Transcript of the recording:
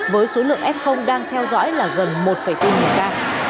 với số lượng f đang theo dõi là gần một bốn ca